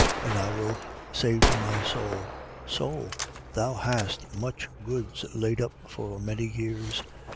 12:19. And I will say to my soul: Soul, thou hast much goods laid up for many years.